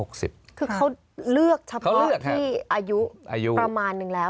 คือเขาเลือกเฉพาะเลือดที่อายุประมาณนึงแล้ว